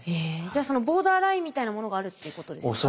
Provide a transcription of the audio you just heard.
じゃあそのボーダーラインみたいなものがあるっていうことですか？